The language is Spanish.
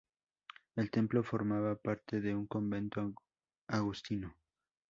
El templo formaba parte de un convento agustino.